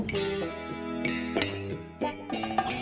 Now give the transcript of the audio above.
ya itu kan